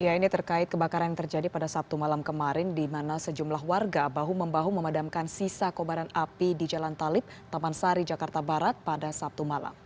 ya ini terkait kebakaran yang terjadi pada sabtu malam kemarin di mana sejumlah warga bahu membahu memadamkan sisa kobaran api di jalan talib taman sari jakarta barat pada sabtu malam